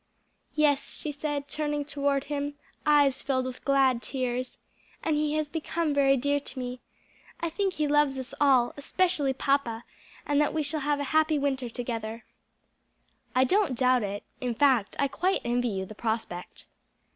"Yes," she said turning toward him eyes filled with glad tears, "and he has become very dear to me. I think he loves us all especially papa and that we shall have a happy winter together." "I don't doubt it; in fact, I quite envy you the prospect."